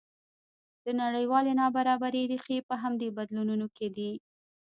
د نړیوالې نابرابرۍ ریښې په همدې بدلونونو کې دي.